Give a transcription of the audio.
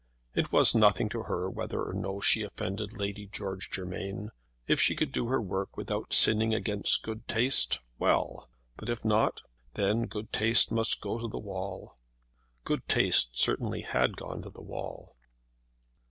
It was nothing to her whether or no she offended Lady George Germain. If she could do her work without sinning against good taste, well; but if not, then good taste must go to the wall. Good taste certainly had gone to the wall.